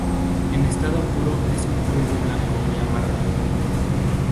En estado puro es un polvo blanco muy amargo.